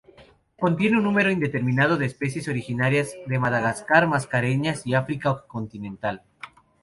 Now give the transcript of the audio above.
Contiene un número indeterminado de especies originarias de Madagascar, Mascareñas y África continental.